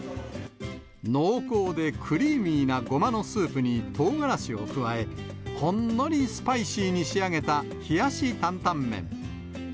濃厚でクリーミーなゴマのスープにトウガラシを加え、ほんのりスパイシーに仕上げた冷やし担々麺。